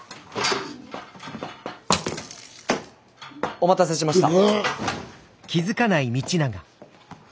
お待たせしました。